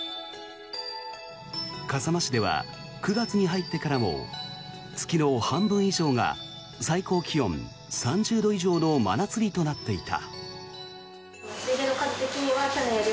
笠間市では９月に入ってからも月の半分以上が最高気温３０度以上の真夏日となっていた。